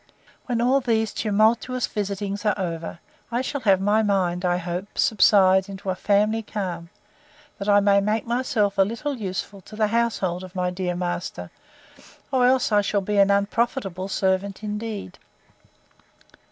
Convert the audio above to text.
When all these tumultuous visitings are over, I shall have my mind, I hope, subside into a family calm, that I may make myself a little useful to the household of my dear master; or else I shall be an unprofitable servant indeed!